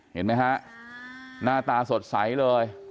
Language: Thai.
เห็นมั้ยคะหน้าตาสดใสเลย